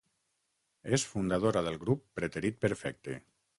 És fundadora del grup Preterit Perfecte.